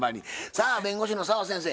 さあ弁護士の澤先生